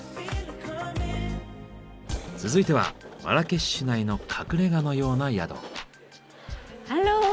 続いてはマラケシュ市内の隠れ家のような宿。